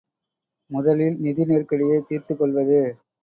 முதலில் நிதி நெருக்கடியைத் தீர்த்துக் கொள்வது.